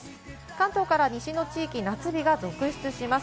関東から西の地域、夏日が続出します。